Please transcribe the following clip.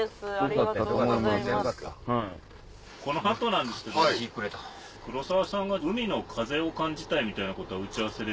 この後なんですけど黒沢さんが海の風を感じたいみたいなことを打ち合わせで。